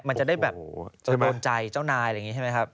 มันจะได้โดนใจเจ้านายใช่ไหมครับ